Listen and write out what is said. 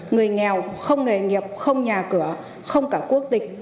người nghèo không nghề nghiệp không nhà cửa không cả quốc tịch